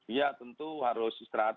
iya tentu harus istirahat